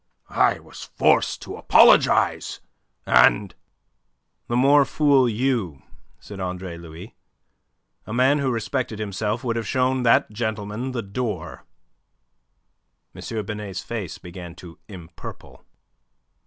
I was forced to apologize, and..." "The more fool you," said Andre Louis. "A man who respected himself would have shown that gentleman the door." M. Binet's face began to empurple.